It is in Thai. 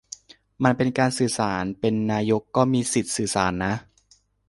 มันเป็นการสื่อสาร เป็นนายกก็มีสิทธิ์สื่อสารนะ